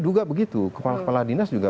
juga begitu kepala kepala dinas juga